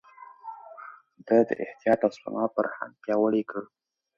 ده د احتياط او سپما فرهنګ پياوړی کړ.